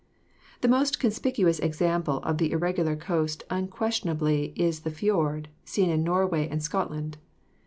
The most conspicuous example of the irregular coast unquestionably is the fjord, seen in Norway and Scot land.